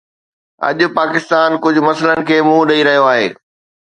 اڄ پاڪستان ڪجهه مسئلن کي منهن ڏئي رهيو آهي.